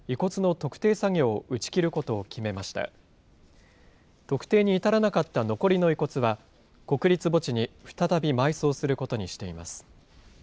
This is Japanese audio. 特定に至らなかった残りの遺骨は、国立墓地に再び埋葬することにしています。